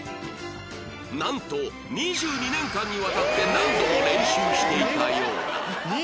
なんと２２年間にわたって何度も練習していたようだ